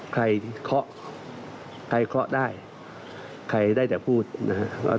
ใครเคาะใครเคาะได้ใครได้แต่พูดนะครับว่า